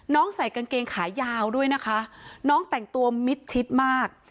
ใส่กางเกงขายาวด้วยนะคะน้องแต่งตัวมิดชิดมาก